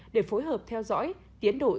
để phối hợp theo dõi tiến đổi